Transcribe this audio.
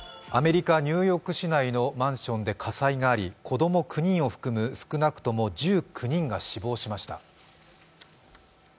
アメリカ・ニューヨーク市内のマンションで火災があり火災があり、子供９人を含む少なくとも１９人が死亡しました。